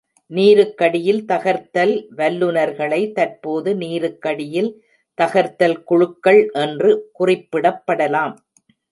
நீருக்கடியில் தகர்த்தல் வல்லுநர்களை தற்போது நீருக்கடியில் தகர்த்தல் குழுக்கள் என்று குறிப்பிடப்படலாம்.